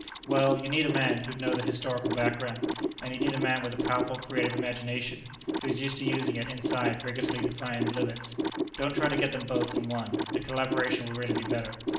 "Well, you need a man who'd know the historical background, and you'd need a man with a powerful creative imagination, who is used to using it inside rigorously defined limits. Don't try to get them both in one; a collaboration would really be better.